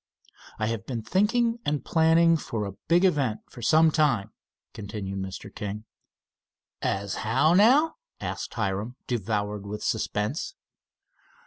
"I have been thinking and planning for a big event for some time," continued Mr. King. "As how, now?" asked Hiram, devoured with suspense.